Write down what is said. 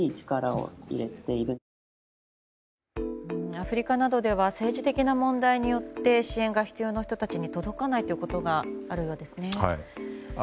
アフリカなどでは政治的な問題によって支援が必要な人たちに届かないということがあるようですね。